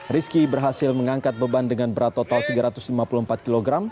rizky berhasil mengangkat beban dengan berat total tiga ratus lima puluh empat kg